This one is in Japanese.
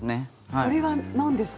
それは何ですか？